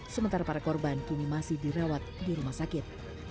sementara para korban kini masih dirawat di rumah sakit